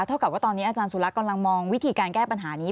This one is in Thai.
เท่ากับว่าตอนนี้อาจารย์สุรักษ์กำลังมองวิธีการแก้ปัญหานี้